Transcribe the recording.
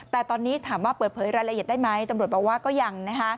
แต่ตอนนี้ถามว่าเปิดเผยรายละเอียดได้ไหมตำรวจบอกว่าก็ยัง